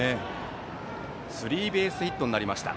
スリーベースヒットでした。